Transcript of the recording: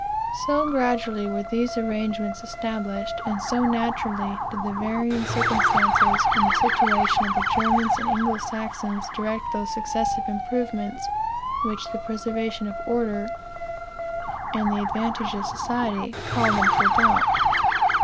"So gradually were these arrangements established, and so naturally did the varying circumstances in the situation of the Germans and Anglo Saxons direct those successive improvements which the preservation of order, and the advantage of society, called them to adopt.